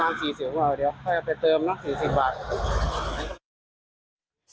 เพื่อไปเติมนะ๔๐บาท